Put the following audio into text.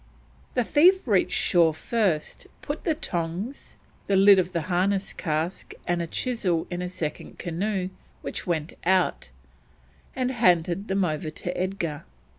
The thief reaching shore first, put the tongs, the lid of a harness cask, and a chisel in a second canoe which went out, and handed them over to Edgar.